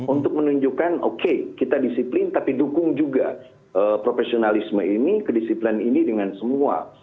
untuk menunjukkan oke kita disiplin tapi dukung juga profesionalisme ini kedisiplinan ini dengan semua